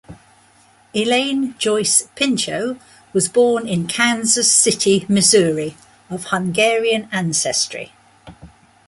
Elaine Joyce Pinchot was born in Kansas City, Missouri, of Hungarian ancestry.